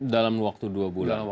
dalam waktu dua bulan